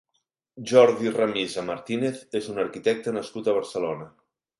Jordi Ramisa Martínez és un arquitecte nascut a Barcelona.